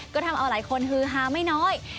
ก็ทำเอาหลายคนฮือฮาไม่น้อย